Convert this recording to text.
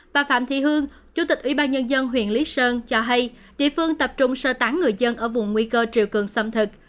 bà phạm thị hương chủ tịch ủy ban nhân dân huyện lý sơn cho hay địa phương tập trung sơ tán người dân ở vùng nguy cơ triều cường xâm thực